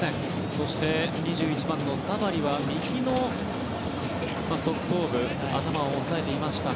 そして、２１番サバリは右の側頭部頭を押さえていました。